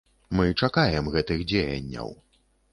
Мы чакаем гэтых дзеянняў.